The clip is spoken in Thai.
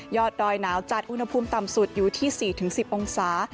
ยอดดอยหนาวจัดอุณหภูมิต่ำสุดอยู่ที่สี่ถึงสิบองศา